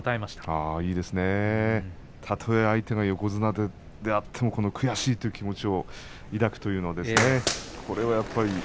たとえ、相手が横綱であっても悔しいという気持ちを抱くというのは。